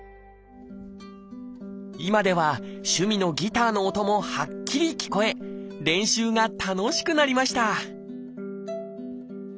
今では趣味のギターの音もはっきり聞こえ練習が楽しくなりました